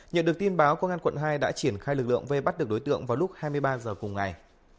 nhận được tin báo công an quận hai đã triển khai lực lượng vây bắt được đối tượng vào lúc hai mươi ba h cùng ngày